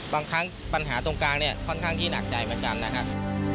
บางครั้งปัญหาตรงกลางเนี่ยค่อนข้างที่หนักใจเหมือนกันนะครับ